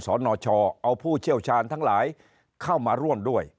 สนชเอาผู้เชี่ยวชาญทั้งหลายเข้ามาร่วมด้วย